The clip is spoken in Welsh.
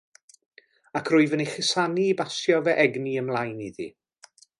Ac rwyf yn ei chusanu i basio fy egni ymlaen iddi.